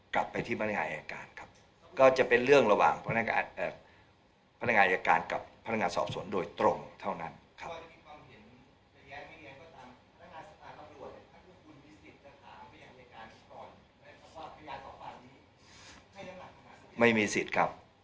กลับไปที่พนักงานอายการครับก็จะเป็นเรื่องระหว่างพนักงานอายการกับพนักงานสอบสวนโดยตรงเท่านั้นครับ